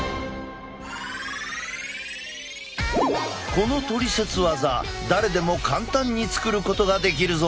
このトリセツ技誰でも簡単に作ることができるぞ。